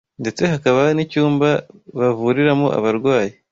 ndetse hakaba n’icyumba bavuriramo abarwayi.